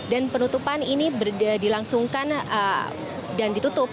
dan penutupan ini dilangsungkan dan ditutup